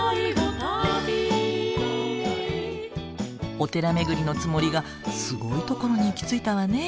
お寺めぐりのつもりがすごい所に行き着いたわね。